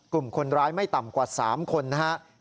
กลุ่มคนร้ายไม่ต่ำกว่า๓คนนะครับ